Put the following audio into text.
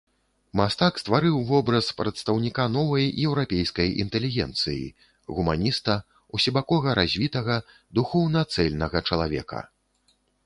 Мастак стварыў вобраз прадстаўніка новай еўрапейскай інтэлігенцыі, гуманіста, усебакова развітага, духоўна цэльнага чалавека.